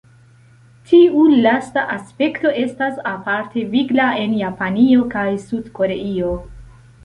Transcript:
Tiu lasta aspekto estas aparte vigla en Japanio kaj Sud-Koreio.